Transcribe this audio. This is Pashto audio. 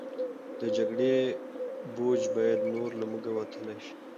د جګړې بوج باید نور له موږ وتل شي.